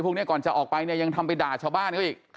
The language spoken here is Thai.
พวกนี้ก่อนจะออกไปเนี่ยยังทำไปด่าชาวบ้านเขาอีก